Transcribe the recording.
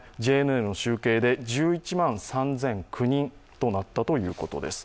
ＪＮＮの集計で１１万３００９人となったということです。